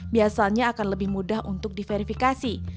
biasanya akan lebih mudah untuk diverifikasi